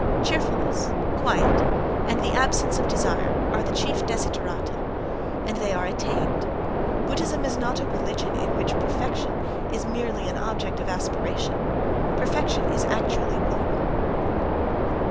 Cheerfulness, quiet and the absence of desire are the chief desiderata, and they are attained. Buddhism is not a religion in which perfection is merely an object of aspiration: perfection is actually normal.